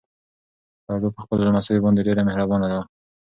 ببو په خپلو لمسو باندې ډېره مهربانه وه.